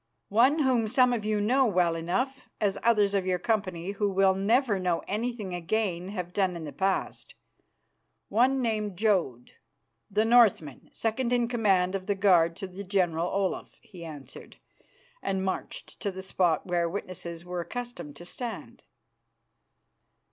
"One whom some of you know well enough, as others of your company who will never know anything again have done in the past. One named Jodd, the Northman, second in command of the guard to the General Olaf," he answered, and marched to the spot where witnesses were accustomed to stand.